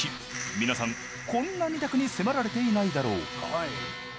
皆さん、こんな２択に迫られていないだろうか。